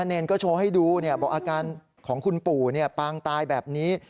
เนรก็โชว์ให้ดูบอกอาการของคุณปู่ปางตายแบบนี้